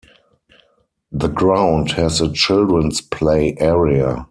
The ground has a children's play area.